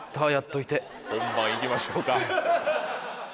本番いきましょうか。